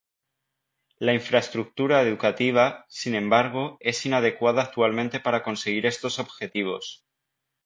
La infraestructura educativa, sin embargo, es inadecuada actualmente para conseguir estos objetivos.